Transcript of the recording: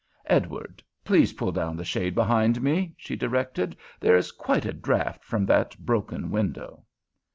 "Edward, please pull down the shade behind me," she directed. "There is quite a draught from that broken window."